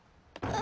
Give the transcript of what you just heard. あ。